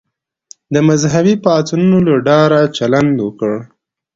د مذهبي پاڅونونو له ډاره چلند وکړ.